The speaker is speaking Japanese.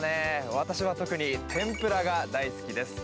私は特に天ぷらが大好きです。